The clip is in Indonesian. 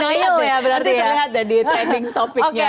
nanti terlihat ya di trending topiknya